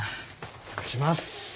お邪魔します。